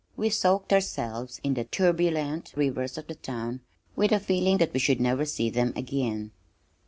We soaked ourselves in the turbulent rivers of the town with a feeling that we should never see them again.